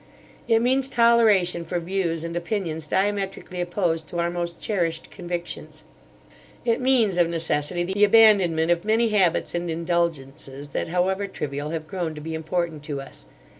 It means toleration for views and opinions diametrically opposed to our most cherished convictions. It means, of necessity, the abandonment of many habits and indulgences that however trivial have grown to be important to us.